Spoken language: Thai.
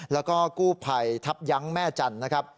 แล้วก็กู้ภัยทัพยั้งแม่จันทร์นะครับ